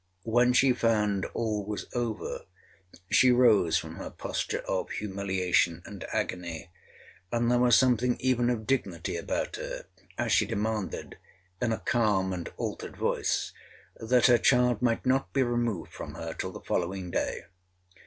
When she found all was over, she rose from her posture of humiliation and agony—and there was something even of dignity about her as she demanded, in a calm and altered voice, that her child might not be removed from her till the following day.